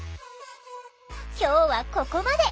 今日はここまで。